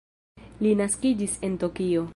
Li naskiĝis en Tokio.